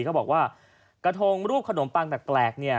เขาบอกว่ากระทงรูปขนมปังตะแกรก